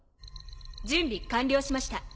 準備完了しました。